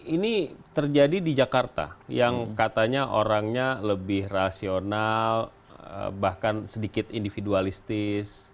ini terjadi di jakarta yang katanya orangnya lebih rasional bahkan sedikit individualistis